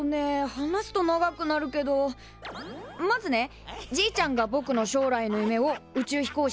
話すと長くなるけどまずねじいちゃんがぼくの将来の夢を宇宙飛行士に決めたんだ。